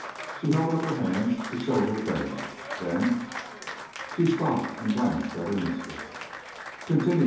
She held up her hands to show their bareness. "Then...." She stopped and glanced at her mistress. "Continue!"